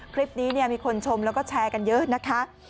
คลิปนี้มีคนชมแล้วก็แชร์กันเยอะนะคะ